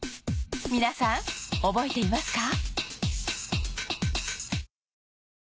皆さん覚えていますか？